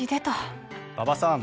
馬場さん